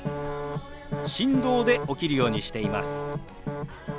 振動で起きるようにしています。